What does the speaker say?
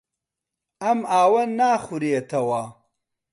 ئەم ئاوە ناخورێتەوە.